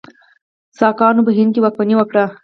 ساکانو په هند کې واکمني وکړه.